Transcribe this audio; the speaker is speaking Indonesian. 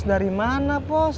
bos dari mana bos